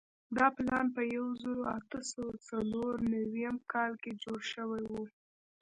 دا پلان په یوه زرو اتو سوو څلور نوېم کال کې جوړ شوی وو.